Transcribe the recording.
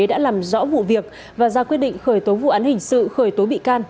đã làm rõ vụ việc và ra quyết định khởi tố vụ án hình sự khởi tố bị can